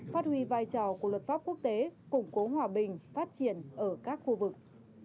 phát huy vai trò của luật pháp quốc tế củng cố hòa bình phát triển ở các khu vực